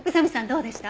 どうでした？